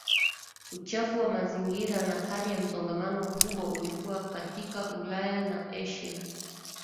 Uchafu wa mazingira na hali ya msongamano mkubwa ulikuwa katika Ulaya na Asia